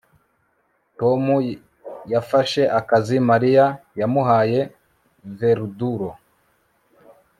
Tom yafashe akazi Mariya yamuhaye verdulo